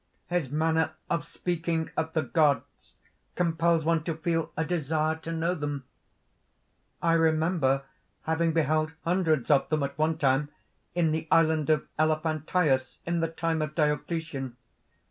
"His manner of speaking of the gods compels one to feel a desire to know them. "I remember having beheld hundreds of them at one time, in the island of Elephantius, in the time of Diocletian.